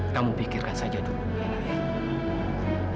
kamu pikirkan saja dulu